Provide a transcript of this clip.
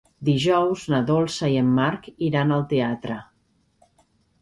Dijous na Dolça i en Marc iran al teatre.